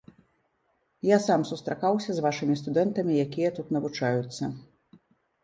Я сам сустракаўся з вашымі студэнтамі, якія тут навучаюцца.